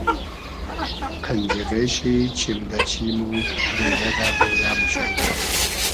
قئنجیغې شی چیم دۂ چیم و بېیۂ دۂ بېیۂ موشوم